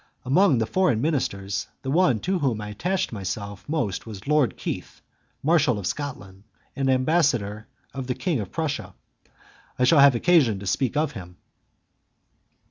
Among the foreign ministers, the one to whom I attached myself most was Lord Keith, Marshal of Scotland and ambassador of the King of Prussia. I shall have occasion to speak of him.